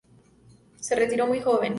Se retiró muy joven.